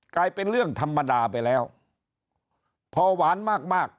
กลายเป็นเรื่องธรรมดาไปแล้วพอหวานมากมาก